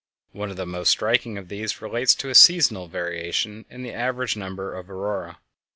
One of the most striking of these relates to a seasonal variation in the average number of auroræ.